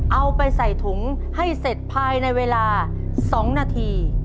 เอาไปใส่ถุงให้เสร็จภายในเวลา๒นาที